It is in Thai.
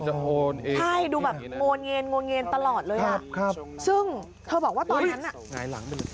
ใช่ดูดูแบบโงงเงนตลอดเลย